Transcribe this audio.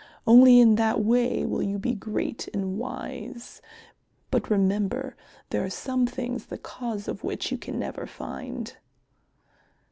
Only in that way will you be great and wise. But remember there are some things the cause of which you can never find."